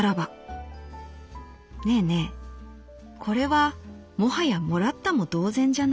『ねえねえこれはもはやもらったも同然じゃない？』」。